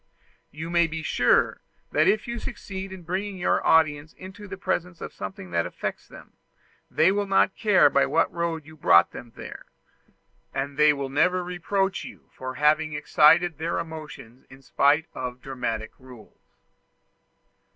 You may be sure that if you succeed in bringing your audience into the presence of something that affects them, they will not care by what road you brought them there; and they will never reproach you for having excited their emotions in spite of dramatic rules.